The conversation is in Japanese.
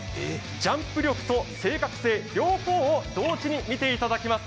ジャンプ力と正確性、両方を同時に見ていただきます。